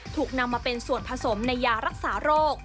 ถูกนำมาเป็นส่วนผสมในยารักษาโรค